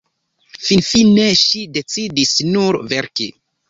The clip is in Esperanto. Finfine ŝi decidis nur verki.